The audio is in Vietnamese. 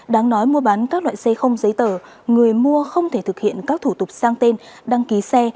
đáng nói mua bán các loại xe không giấy tờ người mua không thể thực hiện các thủ tục sang tên đăng ký xe